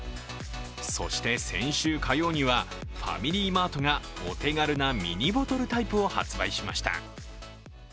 そして先週火曜にはファミリーマートがお手軽なミニボトルタイプを発売しました。